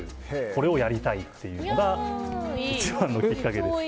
これをやりたいというのが一番のきっかけです。